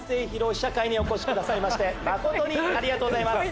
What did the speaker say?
試写会にお越しくださいまして誠にありがとうございます。